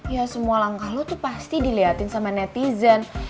ya semua langkah lo tuh pasti diliatin sama netizen